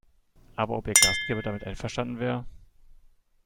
Aber ob ihr Gastgeber damit einverstanden wäre?